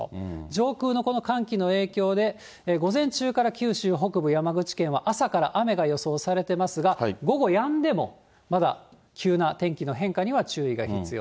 上空のこの寒気の影響で午前中から九州北部、山口県は朝から雨が予想されてますが、午後やんでも、まだ急な天気の変化には注意が必要。